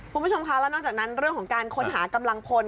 คุณผู้ชมคะแล้วนอกจากนั้นเรื่องของการค้นหากำลังพล